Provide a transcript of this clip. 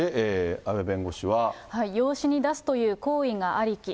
養子に出すという行為がありき。